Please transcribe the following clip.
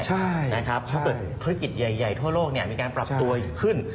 ถ้าเกิดธุรกิจใหญ่ทั่วโลกมีการปรับตัวขึ้น